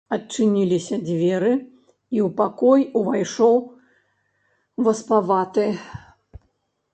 Адчыніліся дзверы, і ў пакой увайшоў васпаваты.